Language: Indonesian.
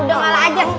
udah malah aja